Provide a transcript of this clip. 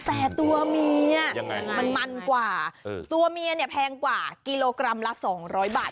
แต่ตัวเมียมันมันกว่าตัวเมียเนี่ยแพงกว่ากิโลกรัมละ๒๐๐บาท